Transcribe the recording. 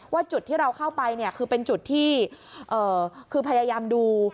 ว่าจุดที่เราเข้าไปคือเป็นจุดที่พยายามดู